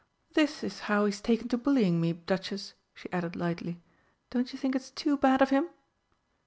This is how he's taken to bullying me, Duchess," she added lightly. "Don't you think it's too bad of him?"